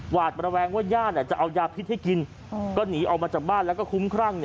หวาดระแวงว่าญาติจะเอายาพิษให้กินก็หนีออกมาจากบ้านแล้วก็คุ้มครั่ง